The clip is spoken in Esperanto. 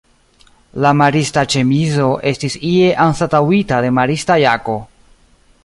La marista ĉemizo estis ie anstataŭita de marista jako.